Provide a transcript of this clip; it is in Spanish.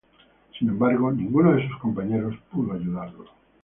Sin embargo ninguno de sus compañeros puede ayudarlo.